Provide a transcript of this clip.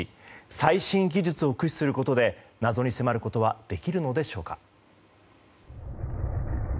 最新技術を駆使することで、謎に迫ることはできるのでしょうか。